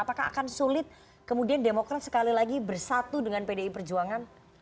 apakah akan sulit kemudian demokrat sekali lagi bersatu dengan pdi perjuangan